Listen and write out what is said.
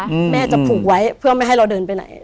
แม่จะผูกไว้เพื่อไม่ให้เราเดินไปไหน